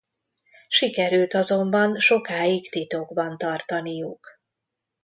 Sikerült azonban sokáig titokban tartaniuk.